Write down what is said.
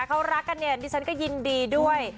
เขารักกันเนี่ยดิฉันก็ยินดีด้วย